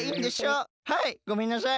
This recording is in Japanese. はいごめんなさい。